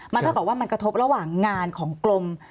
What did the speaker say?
เท่ากับว่ามันกระทบระหว่างงานของกรม